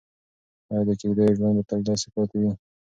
ایا د کيږديو ژوند به تل داسې پاتې وي؟